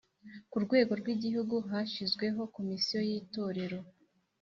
Ku rwego rw Igihugu hashyizweho Komisiyo yitorero